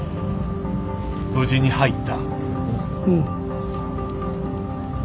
無事に入った。